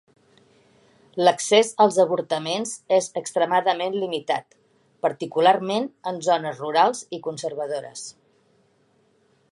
L'accés als avortaments és extremadament limitat, particularment en zones rurals i conservadores.